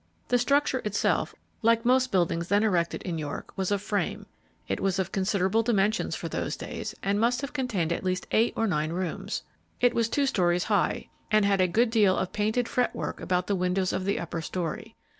The structure itself, like most buildings then erected in York, was of frame. It was of considerable dimensions for those days, and must have contained at least eight or nine rooms. It was two stories high, and had a good deal of painted fret work about the windows of the upper story.